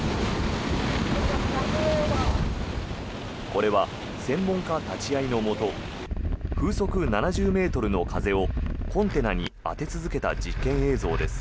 これは専門家立ち会いのもと風速７０ｍの風をコンテナに当て続けた実験映像です。